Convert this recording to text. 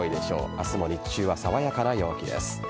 明日も日中は爽やかな陽気です。